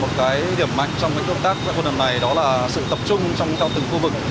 một cái điểm mạnh trong các công tác giao thông lần này đó là sự tập trung trong tầng từng khu vực